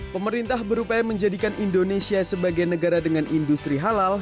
pemerintah berupaya menjadikan indonesia sebagai negara dengan industri halal